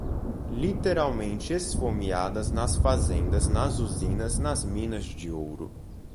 literalmente esfomeadas nas fazendas, nas usinas, nas minas de ouro